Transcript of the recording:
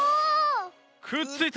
くっついた。